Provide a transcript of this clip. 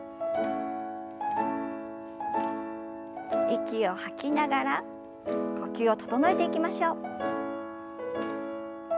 息を吐きながら呼吸を整えていきましょう。